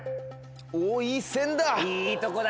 おいい線だ。